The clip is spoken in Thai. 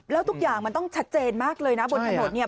แล้วทุกอย่างมันต้องชัดเจนมากเลยนะบนถนนเนี่ย